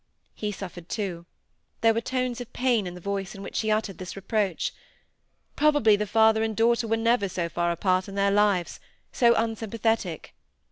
He suffered, too; there were tones of pain in the voice in which he uttered this reproach. Probably the father and daughter were never so far apart in their lives, so unsympathetic.